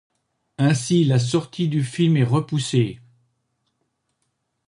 Ainsi, la sortie du film est repoussée.